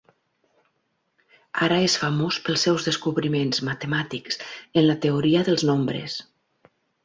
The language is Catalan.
Ara és famós pels seus descobriments matemàtics en la teoria dels nombres.